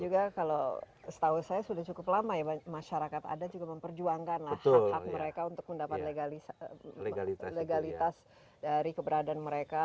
juga kalau setahu saya sudah cukup lama ya masyarakat adat juga memperjuangkan hak hak mereka untuk mendapat legalitas dari keberadaan mereka